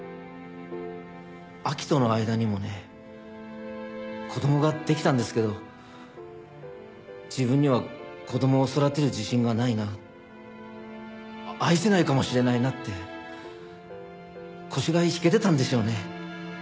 亜紀との間にもね子供ができたんですけど自分には子供を育てる自信がないな愛せないかもしれないなって腰が引けてたんでしょうね。